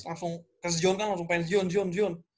langsung ke zion kan langsung pengen zion zion zion